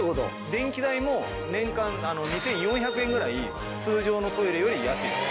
電気代も年間２４００円ぐらい通常のトイレより安いです。